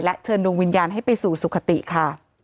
เชิญดวงวิญญาณให้ไปสู่สุขติค่ะ